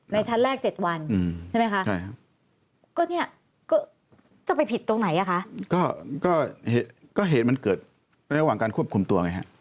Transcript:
ในชั้นแรก๗วันใช่ไหมคะ